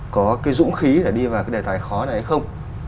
có cái dũng khí để đi vào cái đề tài khó này hay không